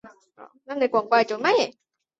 结果是葡萄糖的降解被抑制。